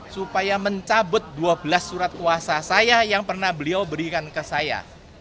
supaya mencabut dua belas surat kuasa saya yang pernah beliau berikan ke saya